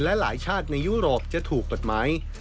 และหลายชาติในยุโรปจะถูกกฎหมาย